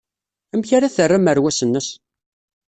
Amek ara terr amerwas-nnes?